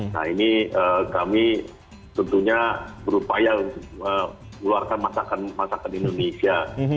nah ini kami tentunya berupaya untuk mengeluarkan masakan masakan indonesia